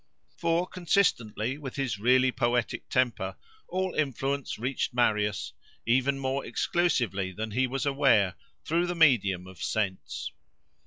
For, consistently with his really poetic temper, all influence reached Marius, even more exclusively than he was aware, through the medium of sense.